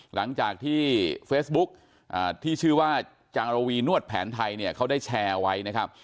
หลังจากที่เฟซบุ๊กที่ชื่อว่าจางระวีนวดแผนไทยเนี่ยเขาได้แชร์เอาไว้นะครับ